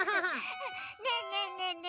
ねえねえねえね